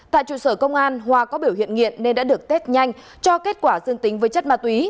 tại trụ sở công an hoa có biểu hiện nghiện nên đã được test nhanh cho kết quả dương tính với chất ma túy